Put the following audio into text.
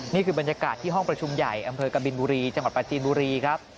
นี่คือบรรยากาศที่ห้องประชุมใหญ่อำเภอกบินบุรีจังหวัดปราจีนบุรีครับ